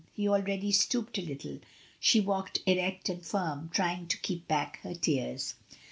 He already stooped a little, she walked erect and firm, trying to keep back her tears.